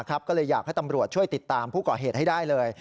ก็เลยอยากให้ตำรวจช่วยติดตามผู้ก่อเหตุให้ได้เลย